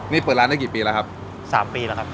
นี่เปิดร้านได้กี่ปีแล้วครับสามปีแล้วครับ